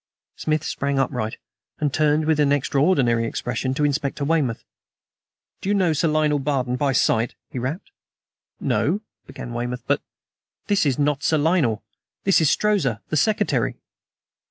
Smith sprang upright and turned with an extraordinary expression to Inspector Weymouth. "You do not know Sir Lionel Barton by sight?" he rapped. "No," began Weymouth, "but " "This is not Sir Lionel. This is Strozza, the secretary."